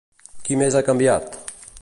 Qui més ha canviat?